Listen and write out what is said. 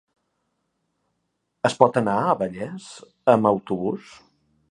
Es pot anar a Vallés amb autobús?